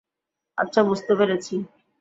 আচ্ছা, বুঝতে পেরেছি।